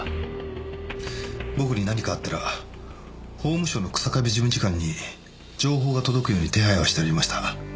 僕に何かあったら法務省の日下部事務次官に情報が届くように手配はしてありました。